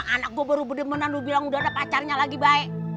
anak gua baru beda beda lu bilang udah ada pacarnya lagi baik